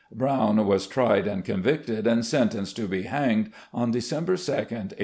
Brown was tried and convicted and sentenced to be hanged on December 2, 1859.